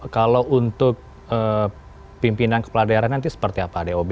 kalau untuk pimpinan kepala daerah nanti seperti apa dob